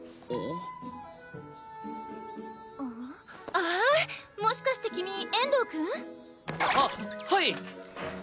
あっもしかして君遠藤くん？あっはい！